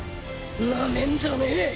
なめんじゃねえ。